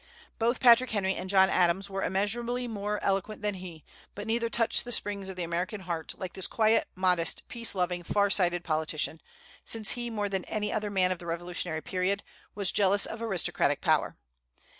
Both Patrick Henry and John Adams were immeasurably more eloquent than he, but neither touched the springs of the American heart like this quiet, modest, peace loving, far sighted politician, since he, more than any other man of the Revolutionary period, was jealous of aristocratic power.